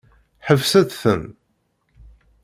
Ḥebset-ten.